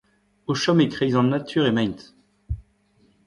O chom e-kreiz an natur emaint.